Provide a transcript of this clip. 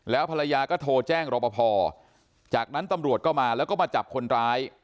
ภรรยาก็โทรแจ้งรอปภจากนั้นตำรวจก็มาแล้วก็มาจับคนร้าย